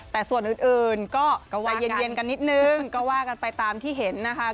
แต่ส่วนอื่นก็ว่าเย็นกันนิดนึงก็ว่ากันไปตามที่เห็นนะคะ